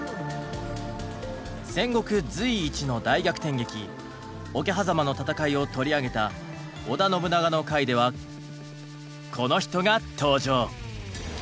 戦国随一の大逆転劇「桶狭間の戦い」を取り上げた織田信長の回ではこの人が登場。